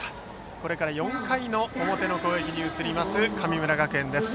これから４回の表の攻撃に移る神村学園です。